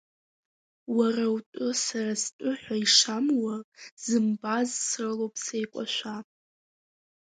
Уара утәы са стәы ҳәа ишамуа, зымбаз срылоуп сеикәашәа.